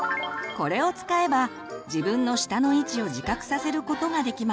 これを使えば自分の舌の位置を自覚させることができます。